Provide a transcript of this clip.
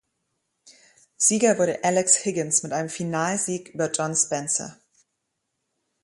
Sieger wurde Alex Higgins mit einem Finalsieg über John Spencer.